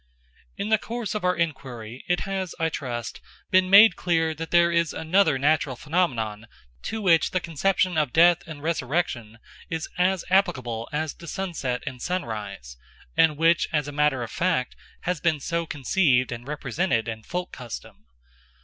In the course of our enquiry it has, I trust, been made clear that there is another natural phenomenon to which the conception of death and resurrection is as applicable as to sunset and sunrise, and which, as a matter of fact, has been so conceived and represented in folk custom.